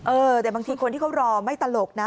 เออแต่บางทีคนที่เขารอไม่ตลกนะ